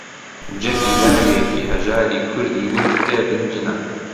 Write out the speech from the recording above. جەرگی لاوێکی هەژاری کوردی ورد پێ بنجنە